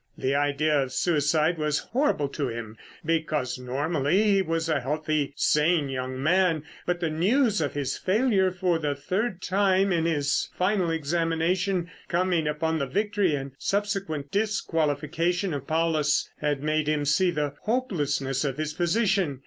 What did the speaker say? The idea of suicide was horrible to him because normally he was a healthy, sane young man, but the news of his failure for the third time in his final examination, coming upon the victory and subsequent disqualification of Paulus, had made him see the hopelessness of his position.